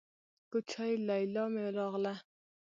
کوچۍ ليلا مې راغله.